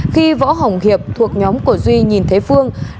khi võ hồng hiệp thuộc nhóm của duy nhìn thấy phương